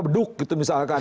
bedug gitu misalkan